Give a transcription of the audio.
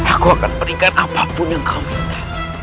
aku akan berikan apapun yang kau minta